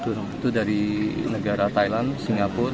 itu dari negara thailand singapura